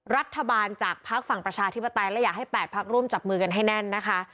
รัฐบาลจากพักฝั่งประชาธิปไตยและอยากให้๘พักร่วมจับมือกันให้แน่นนะคะ